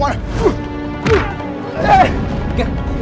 kamu tunggu disini